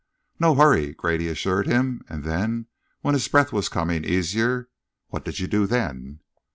"No hurry," Grady assured him, and then, when his breath was coming easier, "What did you do then?"